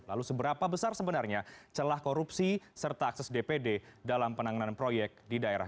lalu seberapa besar sebenarnya celah korupsi serta akses dpd dalam penanganan proyek di daerah